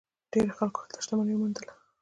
ډیرو خلکو هلته شتمني وموندله.